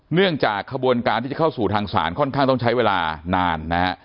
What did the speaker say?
เนื่องจากขบวนการที่จะเข้าสู่ทางศาลค่อนข้างต้องใช้เวลานานนะฮะ